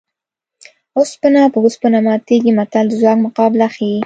اوسپنه په اوسپنه ماتېږي متل د ځواک مقابله ښيي